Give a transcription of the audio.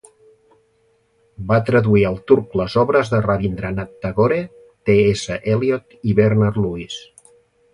Va traduir al turc les obres de Rabindranath Tagore, TS Eliot i Bernard Lewis.